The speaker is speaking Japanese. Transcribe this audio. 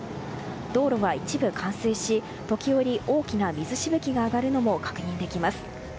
道路は一部冠水し、時折大きな水しぶきが上がるのも確認できます。